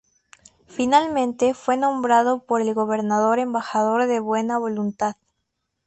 Finalmente fue nombrado por el gobernador embajador de buena voluntad.